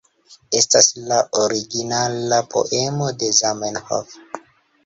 Estas la originala poemo de Zamenhof